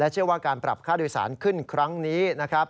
เชื่อว่าการปรับค่าโดยสารขึ้นครั้งนี้นะครับ